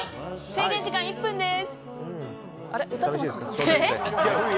制限時間は１分です。